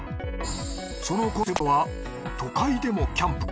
そのコンセプトは都会でもキャンプ。